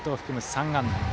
３安打。